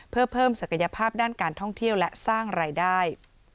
เพื่อเพิ่มศักยภาพด้านการท่องเที่ยวและสร้างรายได้